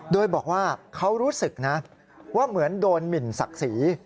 โดยบอกว่าเขารู้สึกนะว่าเหมือนโดนหมินศักดิ์ศรี